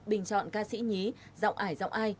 bình chọn ca sĩ nhí giọng ải giọng ai